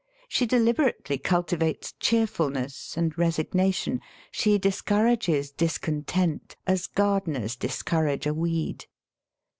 She deliberately culti vates cheerfulness and resignation; she discour ages discontent as gardeners discourage a weed.